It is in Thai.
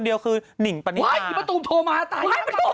จะได้ตีมะตุ๋มสะท้าย